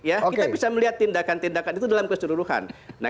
ya kita bisa melihat tindakan tindakan itu dalam keseluruhan